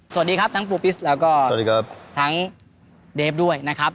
สวัสดีครับทั้งปูปิสแล้วก็สวัสดีครับทั้งเดฟด้วยนะครับ